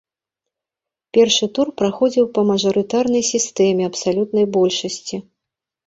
Першы тур праходзіў па мажарытарнай сістэме абсалютнай большасці.